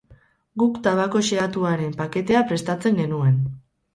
Guk tabako xehatuaren paketea prestatzen genuen.